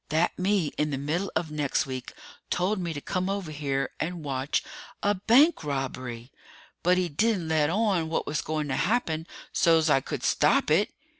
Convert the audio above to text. "That me in the middle of next week told me to come over here and watch a bank robbery! But he didn't let on what was going to happen so's I could stop it!"